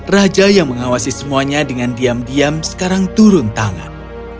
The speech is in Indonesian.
raja yang mengawasi semuanya dengan diam diam sekarang turun tangan